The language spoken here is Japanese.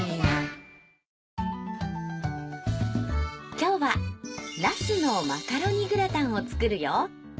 今日はなすのマカロニグラタンを作るよ。